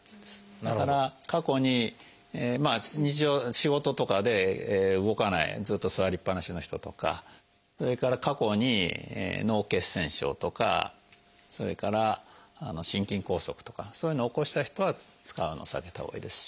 だから過去に日常仕事とかで動かないずっと座りっぱなしの人とかそれから過去に脳血栓症とかそれから心筋梗塞とかそういうのを起こした人は使うのを避けたほうがいいですし。